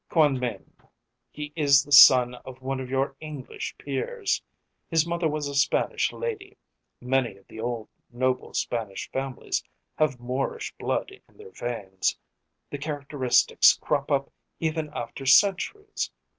"Quand meme, he is the son of one of your English peers. His mother was a Spanish lady; many of the old noble Spanish families have Moorish blood in their veins, the characteristics crop up even after centuries.